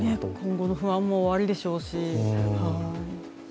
今後の不安もあるでしょうし。